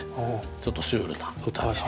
ちょっとシュールな歌にしてみました。